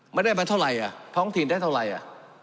ไม่ได้มาเท่าไหร่อ่ะท้องถิ่นได้เท่าไหร่อ่ะ